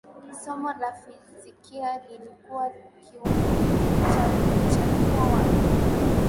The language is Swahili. somo la fizikia lilikuwa kiungo cha mchepuo wake